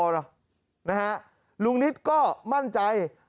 ลุงนิดก็มั่นใจ